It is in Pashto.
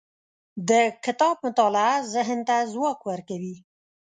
د کتاب مطالعه ذهن ته ځواک ورکوي.